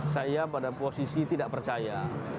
saya pada posisi tidak percaya